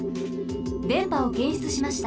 でんぱをけんしゅつしました。